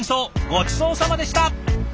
ごちそうさまでした。